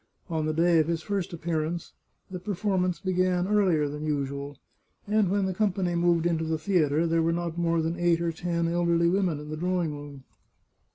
On the day of his first appearance, the performance began earlier than usual, and when the company moved into the 450 The Chartreuse of Parma theatre there were not more than eight or ten elderly women in the drawing room.